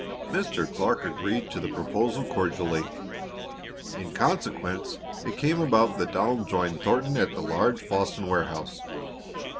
Mr. Clark agreed to the proposal cordially. In consequence it came about that Donald joined Thornton at the large Boston warehouse.